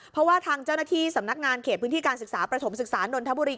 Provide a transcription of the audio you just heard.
เพราะว่าทางเจ้าหน้าที่สำนักงานเขตพื้นที่การศึกษาประถมศึกษานนทบุรี